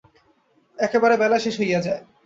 একেবারে বেলা শেষ হইয়া যায়।